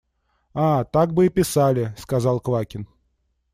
– А, так бы и писали! – сказал Квакин.